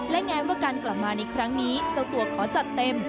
และแม้ว่าการกลับมาในครั้งนี้เจ้าตัวขอจัดเต็ม